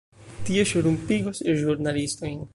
Tio ŝrumpigos ĵurnalistojn.